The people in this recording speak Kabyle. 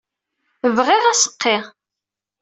Bɣiɣ aseqqi.